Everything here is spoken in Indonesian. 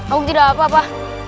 aku tidak apa apa